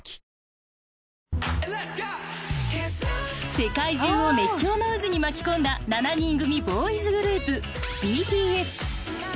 世界中を熱狂の渦に巻き込んだ７人組ボーイズグループ。